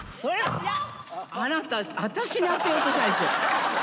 あなた、あたしに当てようとしたでしょ！